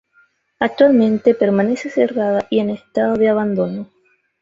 Actualmente permanece cerrada y en estado de abandono.